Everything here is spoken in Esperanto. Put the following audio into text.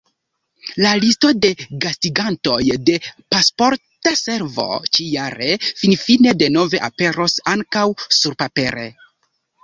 La listo de gastigantoj de Pasporta Servo ĉi-jare finfine denove aperos ankaŭ surpapere.